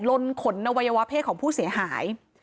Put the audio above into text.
ลนขนอวัยวะเพศของผู้เสียหาย